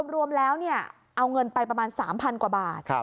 รวมแล้วเอาเงินไปประมาณ๓๐๐กว่าบาท